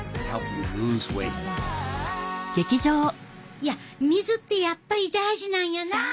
いや水ってやっぱり大事なんやなあ。